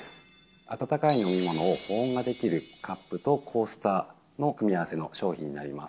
温かい飲み物を保温ができるカップとコースターの組み合わせの商品になります。